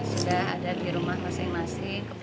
sudah ada di rumah masing masing